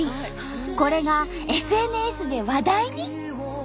これがＳＮＳで話題に。